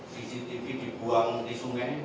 cctv dibuang di sungai